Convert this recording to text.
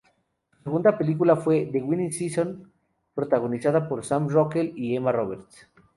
Su segunda película fue "The Winning Season", protagonizada por Sam Rockwell y Emma Roberts.